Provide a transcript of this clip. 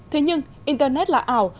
thế nhưng internet là ảo